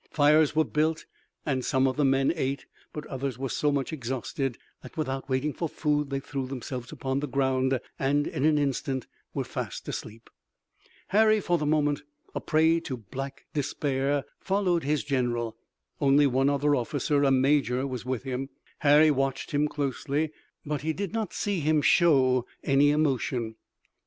Fires were built and some of the men ate, but others were so much exhausted that without waiting for food they threw themselves upon the ground, and in an instant were fast asleep. Harry, for the moment, a prey to black despair, followed his general. Only one other officer, a major, was with him. Harry watched him closely, but he did not see him show any emotion.